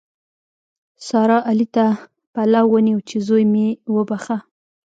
سارا؛ علي ته پلو ونیو چې زوی مې وبښه.